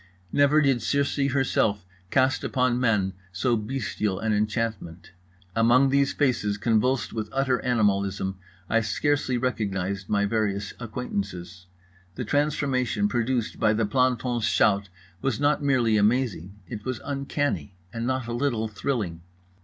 Never did Circe herself cast upon men so bestial an enchantment. Among these faces convulsed with utter animalism I scarcely recognised my various acquaintances. The transformation produced by the planton's shout was not merely amazing; it was uncanny, and not a little thrilling.